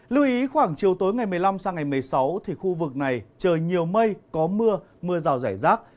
lưu ý khoảng chiều tối ngày một mươi năm sang ngày một mươi sáu thì khu vực này trời nhiều mây có mưa mưa rào rải rác